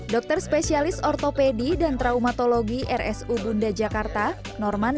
dokter spesialis ortopedi dan traumatologi rsu bunda jakarta norman